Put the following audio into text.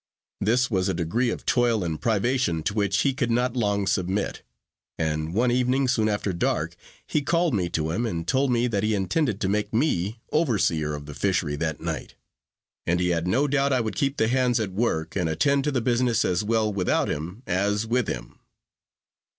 This was a degree of toil and privation to which he could not long submit; and one evening soon after dark, he called me to him, and told me that he intended to make me overseer of the fishery that night; and he had no doubt I would keep the hands at work, and attend to the business as well without him as with him.